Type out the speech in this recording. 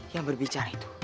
yang berbicara itu